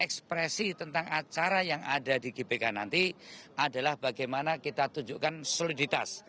ekspresi tentang acara yang ada di gbk nanti adalah bagaimana kita tunjukkan soliditas